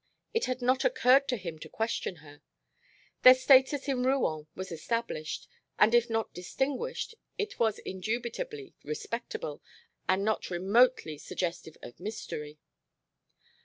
It had not occurred to him to question her. Their status in Rouen was established, and if not distinguished it was indubitably respectable and not remotely suggestive of mystery.